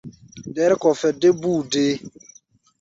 Dɛ̌r-kɔfɛ dé búu deé.